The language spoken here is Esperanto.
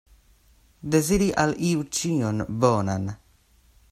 Deziri al iu ĉion bonan.